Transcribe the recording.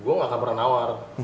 gue nggak akan pernah nawar